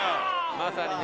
まさにね。